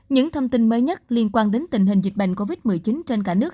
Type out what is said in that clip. những thông tin mới nhất liên quan đến tình hình dịch bệnh covid một mươi chín trên cả nước